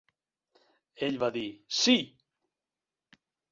Ell va dir "Sí!".